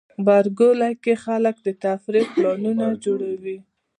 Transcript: غبرګولی کې خلک د تفریح پلانونه جوړوي.